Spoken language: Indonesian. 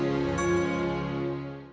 sampai jumpa lagi